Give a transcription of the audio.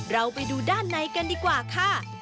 เราไปดูด้านในกันดีกว่าค่ะ